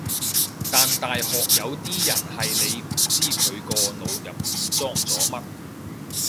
但大學有啲人係你唔知佢個腦入面裝咗乜